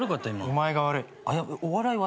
お前が悪い。